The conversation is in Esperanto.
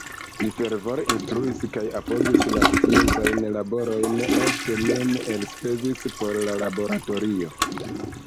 Li fervore instruis kaj apogis la sciencajn laborojn, ofte mem elspezis por la laboratorio.